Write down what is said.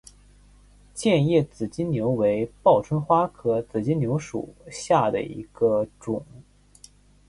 剑叶紫金牛为报春花科紫金牛属下的一个种。